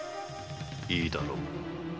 いいだろう。